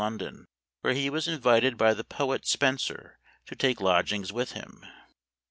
1 29 London, where he was invited by the poet Spencer * to take lodgings with him.